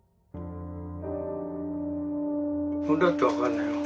俺だって分かんないよ。